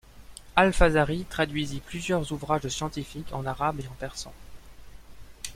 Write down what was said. Al-Fazari traduisit plusieurs ouvrages scientifiques en arabe et en persan.